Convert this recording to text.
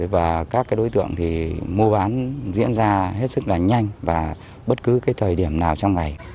và các đối tượng thì mua bán diễn ra hết sức là nhanh và bất cứ cái thời điểm nào trong ngày